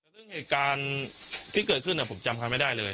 ซึ่งเหตุการณ์ที่เกิดขึ้นผมจำเขาไม่ได้เลย